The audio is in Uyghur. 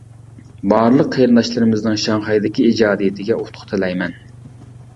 بارلىق قېرىنداشلىرىمىزنىڭ شاڭخەيدىكى ئىجادىيىتىگە ئۇتۇق تىلەيمەن.